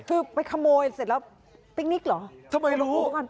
คือไปขโมยเสร็จแล้วปิ๊กนิกเหรอ